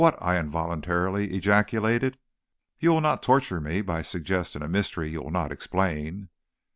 I involuntarily ejaculated. 'You will not torture me by suggesting a mystery you will not explain.'